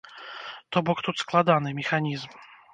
То бок тут складаны механізм.